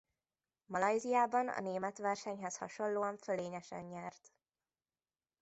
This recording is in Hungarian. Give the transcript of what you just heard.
Malajziában a német versenyhez hasonlóan fölényesen nyert.